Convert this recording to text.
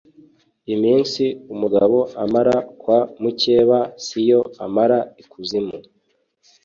Iminsi umugabo amara kwa mukeba si yo amara ikuzimu.